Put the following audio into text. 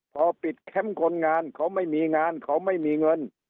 พอปิดแคมป์คนงานเขาไม่มีงานเขาไม่มีเงิน